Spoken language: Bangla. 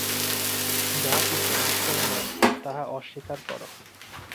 যাহা কিছু ঈশ্বর নয়, তাহা অস্বীকার কর।